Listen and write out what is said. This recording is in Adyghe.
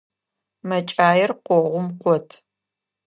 Мэкӏаир къогъум къот.